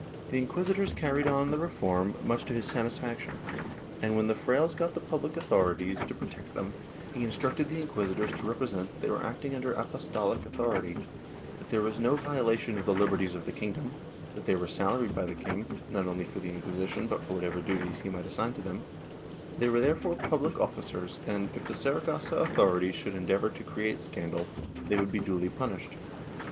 The inquisitors carried on the reform much to his satisfaction and, when the frailes ^ Archivo de Siinancas, Iiiq., Lib. 1. 252 POLITICAL ACTIVITY [Book VIII got the public authorities to protect them, he instructed the inquisi tors to represent that they were acting under apostohc authority, that there was no violation of the liberties of the kingdom, that they were salaried by the king, not only for the Inquisition but for whatever duties he might assign to them; they were therefore public officers and, if the Saragossa authorities should endeavor to create scandal, they would be duly punished.